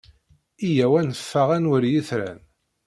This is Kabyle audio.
Iyyaw ad neffeɣ ad nwali itran.